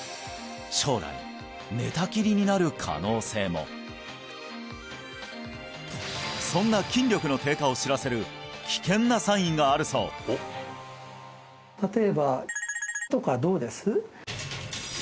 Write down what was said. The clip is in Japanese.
将来寝たきりになる可能性もそんな筋力の低下を知らせる危険なサインがあるそうとは一体？